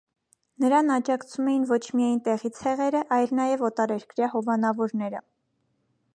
Նրան աջակցում էին ոչ միայն տեղի ցեղերը, այլ նաև օտարերկրյա հովանավորները։